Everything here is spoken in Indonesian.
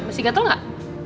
masih gak tau gak